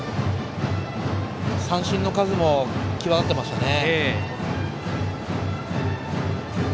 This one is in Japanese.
三振の数も際立っていましたね。